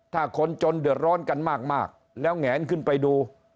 ถ้าคนจนเดือดร้อนกันมากแล้วแงนขึ้นไปดู